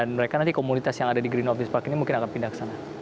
mereka nanti komunitas yang ada di green office park ini mungkin akan pindah ke sana